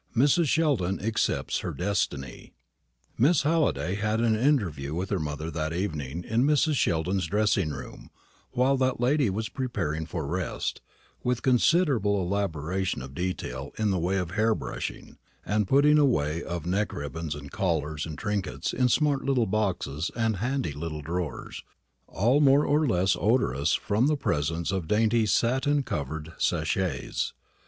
MRS. SHELDON ACCEPTS HER DESTINY. Miss Halliday had an interview with her mother that evening in Mrs. Sheldon's dressing room, while that lady was preparing for rest, with considerable elaboration of detail in the way of hair brushing, and putting away of neck ribbons and collars and trinkets in smart little boxes and handy little drawers, all more or less odorous from the presence of dainty satin covered sachets.